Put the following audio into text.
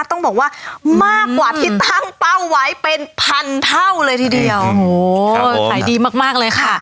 ต้องบอกว่ามากกว่าที่ตั้งเป้าไว้เป็นพันเท่าเลยทีเดียวโอ้โหขายดีมากมากเลยค่ะ